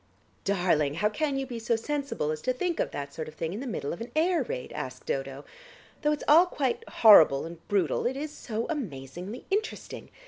"Darling, how can you be so sensible as to think of that sort of thing in the middle of an air raid?" asked Dodo. "Though it's all quite horrible and brutal, it is so amazingly interesting.